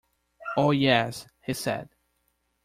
"Oh, yes," he said.